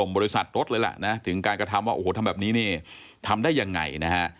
บริษัทรถเลยล่ะนะถึงการกระทำว่าโอ้โหทำแบบนี้นี่ทำได้ยังไงนะฮะ